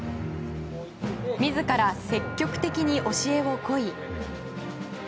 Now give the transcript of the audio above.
自ら積極的に教えを請い。